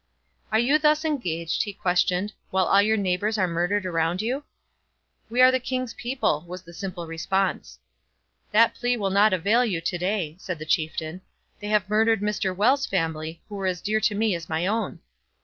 'Are you thus engaged,' he questioned, 'while all your neighbours are murdered around you?' 'We are the king's people,' was the simple response. 'That plea will not avail you to day,' said the chieftain. 'They have murdered Mr Wells's family, who were as dear to me as my own.'